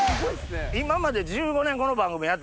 今まで１５年この番組やってます。